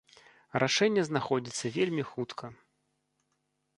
Рашэнне знаходзіцца вельмі хутка.